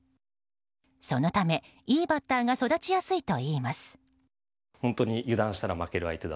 そのため、いいバッターが育ちやすいといいます。